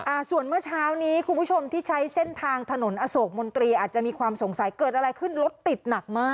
อ่าส่วนเมื่อเช้านี้คุณผู้ชมที่ใช้เส้นทางถนนอโศกมนตรีอาจจะมีความสงสัยเกิดอะไรขึ้นรถติดหนักมาก